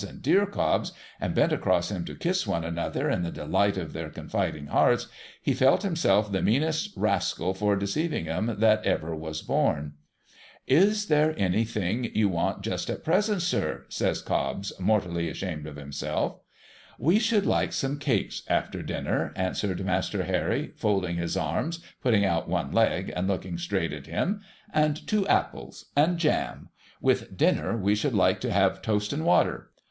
' and ' Dear Cobbs !' and bent across him to kiss one another in the delight of their con fiding hearts, he felt himself the meanest rascal for deceiving 'em that ever was born. ic3 THE HOLLY TREE * Is there anything you want just at present, sir ?' says Cobbs, mortally ashamed of himself. ' \Ve should like some cakes after dinner,' answered Master Harry, folding his arms, putting out one leg, and looking straight at him, ' and two apples, — and jam. With dinner we should like to have toast and water.